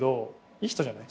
いい人じゃない？